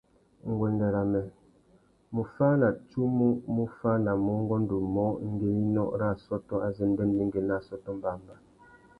Nguêndê râ mê, muffānatsumu mù fānamú ungôndô umô ngüeninô râ assôtô azê ndêndêngüê nà assôtô mbămbá.